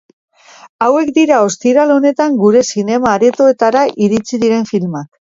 Hauek dira ostiral honetan gure zinema aretoetara iritsi diren filmak.